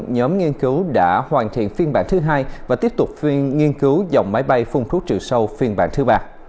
nhóm nghiên cứu đã hoàn thiện phiên bản thứ hai và tiếp tục phiên nghiên cứu dòng máy bay phun thuốc trừ sâu phiên bản thứ ba